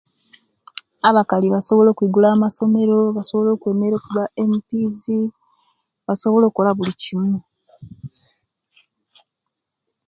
Abakali basobola okwigula amasomero, basobola okwemerera okuba mps basobola okola bulikimu